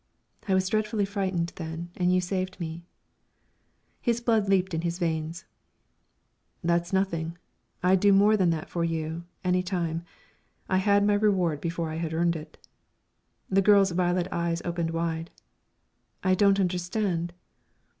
"I was dreadfully frightened then, and you saved me." His blood leaped in his veins. "That's nothing I'd do more than that for you, any time. I had my reward before I had earned it." The girl's violet eyes opened wide. "I don't understand."